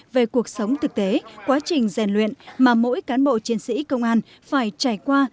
về cuộc sống thực tế quá trình rèn luyện mà mỗi cán bộ chiến sĩ công an phải trải qua